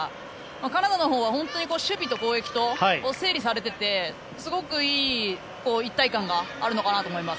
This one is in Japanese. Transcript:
カナダのほうは守備と攻撃が整理されていてすごくいい一体感があるのかなと思います。